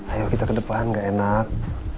ayo kita ke depan gak enak